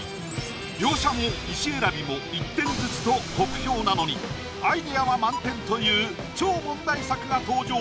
描写も石選びも１点ずつと酷評なのにアイディアは満点という超問題作が登場。